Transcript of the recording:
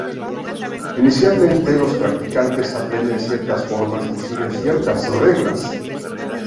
Inicialmente los practicantes aprenden ciertas formas y siguen ciertas reglas.